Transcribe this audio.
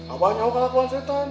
abangnya ngelakuan setan